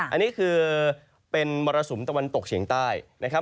อันนี้คือเป็นมรสุมตะวันตกเฉียงใต้นะครับ